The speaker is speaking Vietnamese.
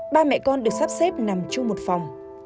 ba mẹ con được sắp xếp nằm chung một phòng